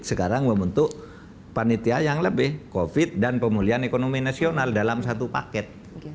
sekarang membentuk panitia yang lebih covid dan pemulihan ekonomi nasional dalam satu paket